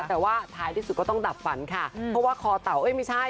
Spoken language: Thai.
แต่ว่าท้ายที่สุดก็ต้องดับฝันค่ะเพราะว่าคอเต่าเอ้ยไม่ใช่